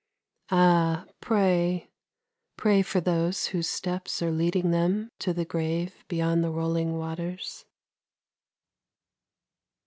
Ah, pray, pray for those whose steps are leading them to the grave beyond the rolling waters!